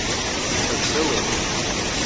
Teḥbes awal.